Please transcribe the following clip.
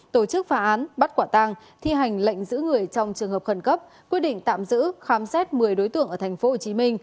tổ chức phá án bắt quả tang thi hành lệnh giữ người trong trường hợp khẩn cấp quyết định tạm giữ khám xét một mươi đối tượng ở tp hcm